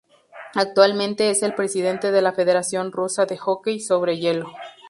Actualmente es el presidente de la Federación Rusa de Hockey sobre Hielo.